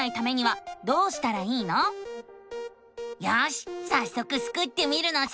よしさっそくスクってみるのさ！